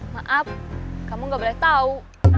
maaf kamu gak boleh tahu